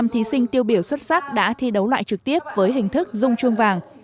ba trăm linh thí sinh tiêu biểu xuất sắc đã thi đấu loại trực tiếp với hình thức dung chuông vàng